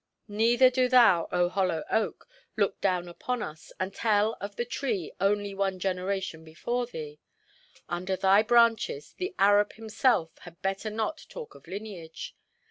Neither do thou, oh hollow oak, look down upon us, and tell of the tree only one generation before thee. Under thy branches, the Arab himself had better not talk of lineage.